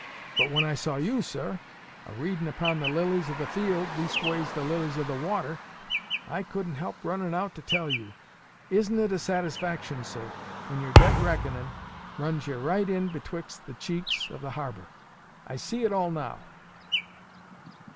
But when I saw you, sir, a readin' upon the lilies o' the field, leastways, the lilies o' the water, I couldn't help runnin' out to tell you. Isn't it a satisfaction, sir, when yer dead reckonin' runs ye right in betwixt the cheeks of the harbour? I see it all now."